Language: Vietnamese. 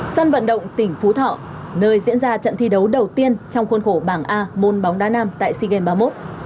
sân vận động tỉnh phú thọ nơi diễn ra trận thi đấu đầu tiên trong khuôn khổ bảng a môn bóng đá nam tại sea games ba mươi một